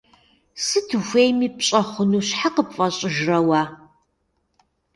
Сыт ухуейми пщӀэ хъуну щхьэ къыпфӀэщӀыжрэ уэ?